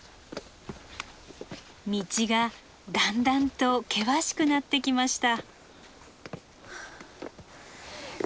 道がだんだんと険しくなってきました。